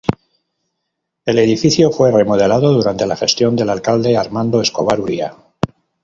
El edificio fue remodelado durante la gestión del Alcalde Armando Escobar Uria.